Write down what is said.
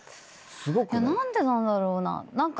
何でなんだろうな？